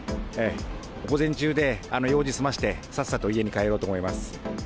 午前中で用事済ませて、さっさと家に帰ろうと思います。